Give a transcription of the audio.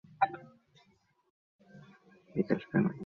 কম বয়সে, বিশ্রামই সেরা চিকিৎসা।